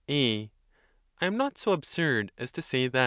A. I am not so absurd as to say that.